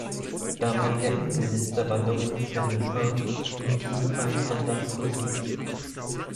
Damaliger Innenminister war Dominique de Villepin, Intimfeind von Sarkozy.